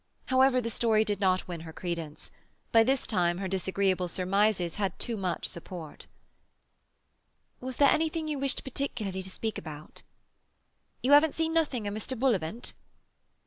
However, the story did not win her credence; by this time her disagreeable surmises had too much support. "Was there anything you wished particularly to speak about?" "You haven't seen nothing of Mr. Bullivant?"